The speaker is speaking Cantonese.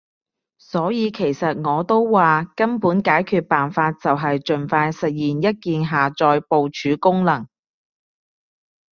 所以其實我都話，根本解決辦法就係儘快實現一鍵下載部署功能